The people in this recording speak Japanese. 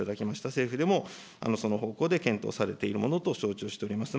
政府でもその方向で検討されているものと承知をしております。